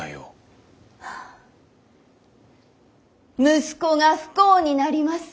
息子が不幸になります。